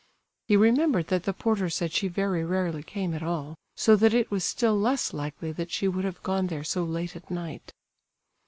He remembered that the porter said she very rarely came at all, so that it was still less likely that she would have gone there so late at night.